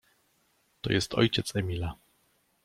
to jest ojciec Emila.